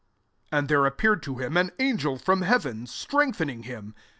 43 Andthert afifieared to him an angel from heaven^ strengthening him.